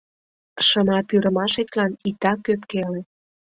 Шыма пӱрымашетлан итак ӧпкеле.